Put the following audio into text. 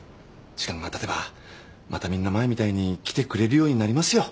時間がたてばまたみんな前みたいに来てくれるようになりますよ。